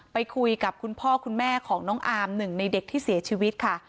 ไปคุยกับคุณพ่อคุณแม่ของน้องอาร์มหนึ่งในเด็กที่เสียชีวิตค่ะ